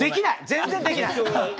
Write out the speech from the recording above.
全然できない。